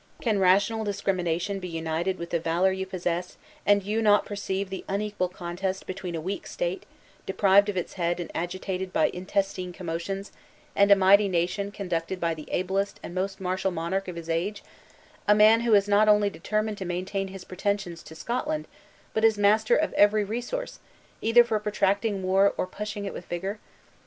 Can rational discrimination be united with the valor you possess and you not perceive the unequal contest between a weak state, deprived of its head and agitated by intestine commotions, and a mighty nation conducted by the ablest and most martial monarch of his age a man who is not only determined to maintain his pretensions to Scotland, but is master of every resourse, either for protracting war or pushing it with vigor?